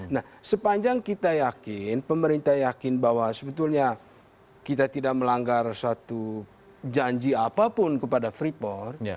nah sepanjang kita yakin pemerintah yakin bahwa sebetulnya kita tidak melanggar suatu janji apapun kepada freeport